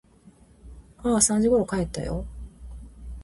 ああ、三時ころ帰ったよ。